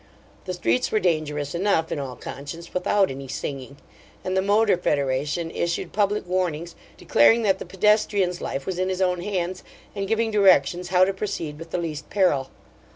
The streets were dangerous enough, in all conscience, without any singing! and the Motor Federation issued public warnings declaring that the pedestrian's life was in his own hands, and giving directions how to proceed with the least peril.